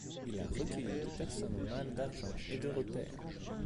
Il a recueilli des personnes en mal d'argent et de repère.